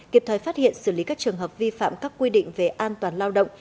kịp thời phát hiện xử lý các trường hợp vi phạm các quy định về an toàn lao động